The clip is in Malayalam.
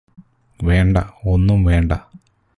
വേണ്ട ഒന്നും വേണ്ട